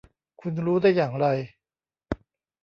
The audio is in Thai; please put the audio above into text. คุณรู้ได้อย่างไร